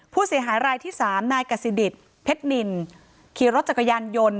ผู้เสียหายรายที่สามนายกษิดิตเพชรนินขี่รถจักรยานยนต์